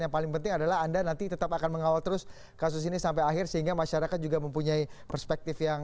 yang paling penting adalah anda nanti tetap akan mengawal terus kasus ini sampai akhir sehingga masyarakat juga mempunyai perspektif yang